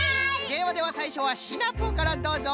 ではではさいしょはシナプーからどうぞ！